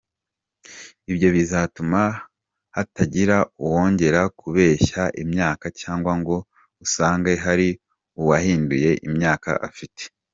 Ibyo bizatuma hatagira uwongera kubeshya imyaka cyangwa ngo usange hari uwahinduye imyaka afite.